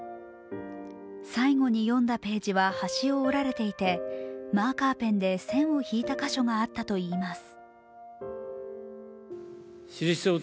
最後に読んだページは端を折られていて、マーカーペンで線を引いた箇所があったといいます。